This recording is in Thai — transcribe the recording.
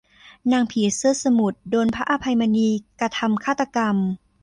นางผีเสื้อสมุทร โดนพระอภัยมณีกระทำฆาตกรรม